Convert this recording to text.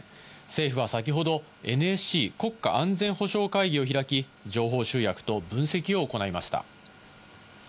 政府は先ほどＮＳＣ＝国家安全保障会議を開き、情報集約と分析を行いました。